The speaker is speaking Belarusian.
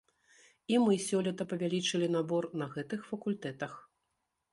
І мы сёлета павялічылі набор на гэтых факультэтах.